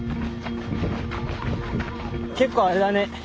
結構あれだね。